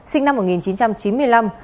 sinh năm một nghìn chín trăm chín mươi năm